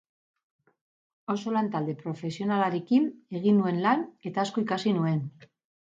Oso lantalde profesionalarekin egin nuen lan eta asko ikasi nuen.